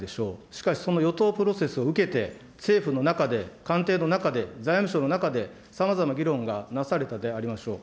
しかし、その与党プロセスを受けて、政府の中で官邸の中で、財務省の中で、さまざまな議論がなされたでありましょう。